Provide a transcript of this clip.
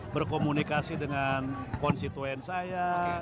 berkomunikasi dengan konstituen saya